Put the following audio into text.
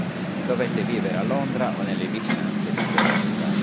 Dovette vivere a Londra o nelle vicinanze di quella città.